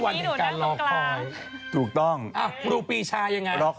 วันนี้หนูตั้งคนกลางถูกต้องอ่ะรูปีชายังไงรอคอย